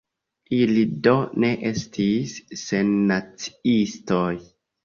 Ili do ne estis sennaciistoj.